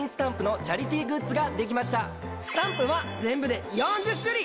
スタンプは全部で４０種類！